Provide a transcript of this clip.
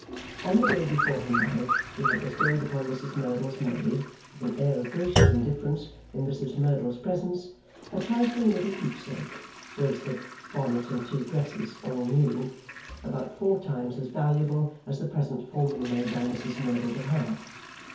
On the day before her marriage, she had bestowed on Mrs Merdle's maid with an air of gracious indifference, in Mrs Merdle's presence, a trifling little keepsake (bracelet, bonnet, and two dresses, all new) about four times as valuable as the present formerly made by Mrs Merdle to her.